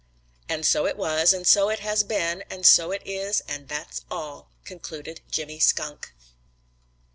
"And so it was, and so it has been, and so it is, and that's all," concluded Jimmy Skunk.